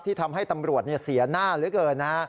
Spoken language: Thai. ที่ทำให้ตำรวจเสียหน้าเลยเกิน